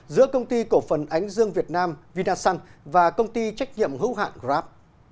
giữa công ty cổ phần ánh dương việt nam vinasun và công ty trách nhiệm hữu hạn grab